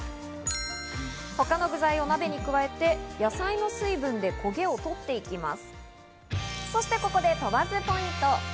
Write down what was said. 他の具材を鍋に加えて野菜の水分でこげを取っていきます。